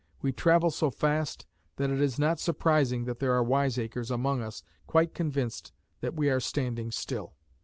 We travel so fast that it is not surprising that there are wiseacres among us quite convinced that we are standing still.